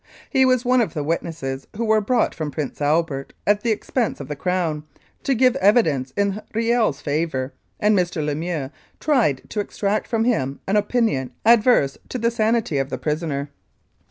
He was one of the witnesses who were brought from Prince Albert, at the expense of the Crown, to give evidence in Kiel's favour, and Mr. Lemieux tried to extract from him an opinion adverse to the sanity of the prisoner.